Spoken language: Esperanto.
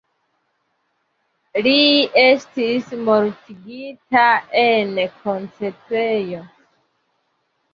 Li estis mortigita en koncentrejo.